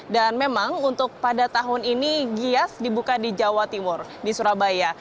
dan memang untuk pada tahun ini gias dibuka di jawa timur di surabaya